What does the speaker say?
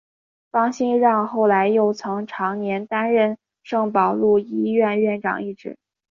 方心让后来又曾长年担任圣保禄医院院长一职。